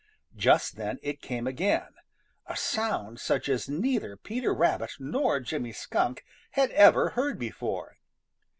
Just then it came again, a sound such as neither Peter Rabbit nor Jimmy Skunk had ever heard before.